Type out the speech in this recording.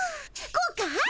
こうかい？